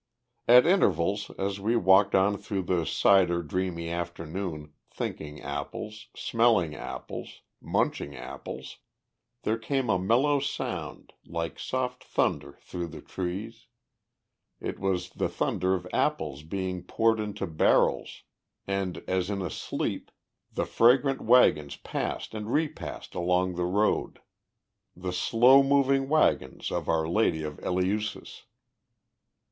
At intervals, as we walked on through the cider dreamy afternoon, thinking apples, smelling apples, munching apples, there came a mellow sound like soft thunder through the trees. It was the thunder of apples being poured into barrels, and, as in a sleep, the fragrant wagons passed and repassed along the road "the slow moving wagons of our lady of Eleusis."